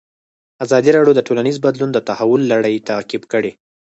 ازادي راډیو د ټولنیز بدلون د تحول لړۍ تعقیب کړې.